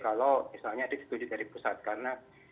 kalau misalnya disetujui dari pusat karena